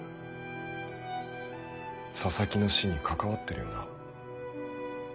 佐々木の死に関わってるよな？